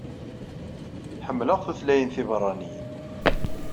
Ḥemmleɣ tutlayin tibeṛaniyen.